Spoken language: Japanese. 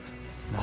何？